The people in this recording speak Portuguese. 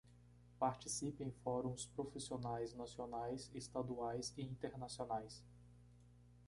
Participe em fóruns profissionais nacionais, estaduais e internacionais.